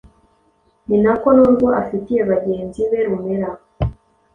ni nako n’urwo afitiye bagenzi be rumera.